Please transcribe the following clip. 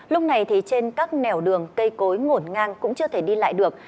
lúc này thì trên các nẻo đường cây cối ngổn ngang cũng chưa thể đi lại được